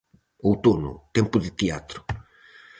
Outono, tempo de teatro.